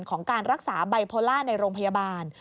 ของการรักษาไบโพล่าในโรงพยาบาล